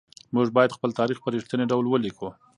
موږ بايد خپل تاريخ په رښتيني ډول ولېکو.